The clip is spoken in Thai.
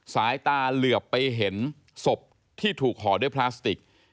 สายตาเหลือบไปเห็นศพที่ถูกห่อด้วยพลาสติก